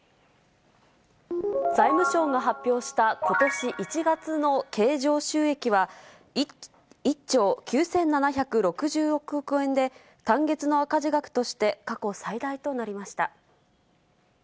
財務省が発表したことし１月の経常収益は１兆９７６６億円で、単月の赤字額として過去最大となりました。